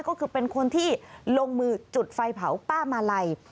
ก็คือเป็นคนที่ลงมือจุดไฟเผาป้ามาลัย